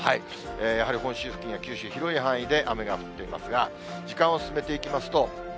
やはり本州付近や九州、広い範囲で雨が降っていますが、時間を進めていきますと。